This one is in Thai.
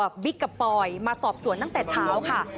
บิ๊กกับปอยมาสอบสวนตั้งแต่เช้าค่ะ